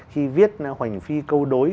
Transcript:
khi viết hoành phi câu đối